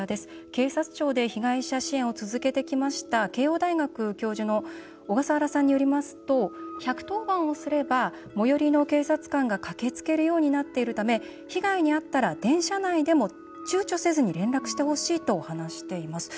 警察庁で被害者支援を続けてきました慶應大学教授の小笠原さんによりますと１１０番をすれば最寄りの警察官が駆けつけるようになっているため被害にあったら電車内でも、ちゅうちょせずに連絡してほしいと話しています。